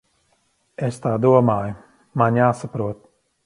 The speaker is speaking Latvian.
Es tā domāju. Man jāsaprot.